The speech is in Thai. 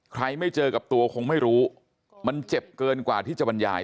ไม่เจอกับตัวคงไม่รู้มันเจ็บเกินกว่าที่จะบรรยาย